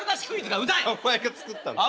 お前が作ったんだろうが。